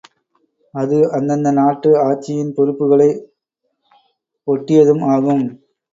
அது அந்தந்த நாட்டு ஆட்சியின் பொறுப்புகளை ஒட்டியதும் ஆகும்.